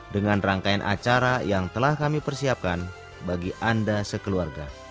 dengan rangkaian acara yang telah kami persiapkan bagi anda sekeluarga